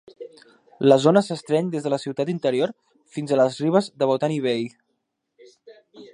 La zona s'estreny des de la ciutat interior fins la les ribes de Botany Bay.